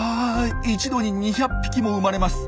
一度に２００匹も生まれます。